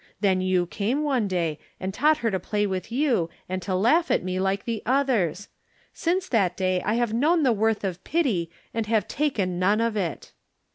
Then you came one day and taught her to play with you, and to laugh at me like the others. Since that day I have known the worth of pity and have taken none of it."